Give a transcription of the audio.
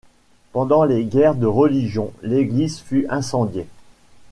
Pendant les guerres de religion, l'église fut incendiée.